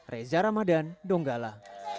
reza ramadan donggala